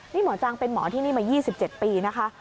นี่หมอจังเป็นหมอที่นี่มา๒๗ปีนะคะ